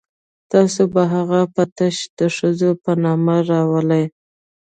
تاسو به هغه په تش د ښځې په نامه راولئ.